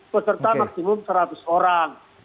peserta maksimum seratus orang